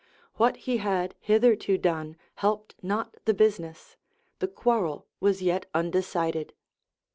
what he had hitherto done helped not the business; the quarrel was yet undecided.